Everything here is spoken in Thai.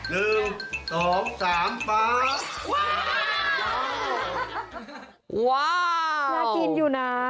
น่ากินอยู่นะ